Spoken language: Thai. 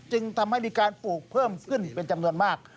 จึงทำให้มีการปลูกเพิ่มขึ้นเป็นจำนวนมาก